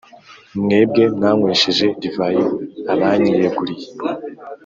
mwebwe mwanywesheje divayi abanyiyeguriye,